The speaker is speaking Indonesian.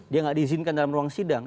dia nggak diizinkan dalam ruang sidang